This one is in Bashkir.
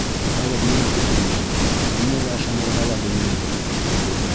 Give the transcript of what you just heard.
Хәҙер нимә көтөргә, нимәгә ышанырға ла белмәйбеҙ, — тип ҡуйҙы.